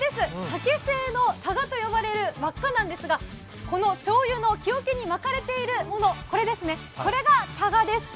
竹製の「たが」と呼ばれる輪っかなんですが、このしょうゆの木おけに巻かれているもの、これが、たがです。